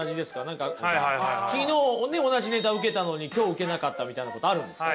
何か昨日ね同じネタウケたのに今日ウケなかったみたいなことあるんですか？